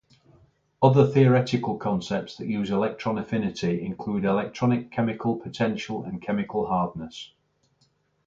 Other theoretical concepts that use electron affinity include electronic chemical potential and chemical hardness.